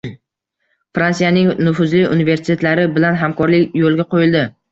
Fransiyaning nufuzli universitetlari bilan hamkorlik yo‘lga qo‘yildi